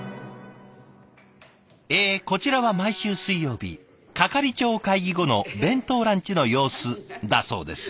えこちらは毎週水曜日係長会議後の弁当ランチの様子だそうです。